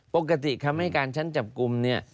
ปกติคำให้การชั้นจับกลุ่มเนี่ย